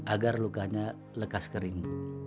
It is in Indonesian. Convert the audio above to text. agar lukanya lekas kering